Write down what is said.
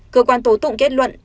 cơ quan tổ tụng kết luận